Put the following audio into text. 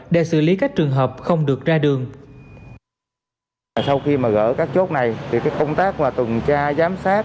để xử lý các trường hợp không được ra đường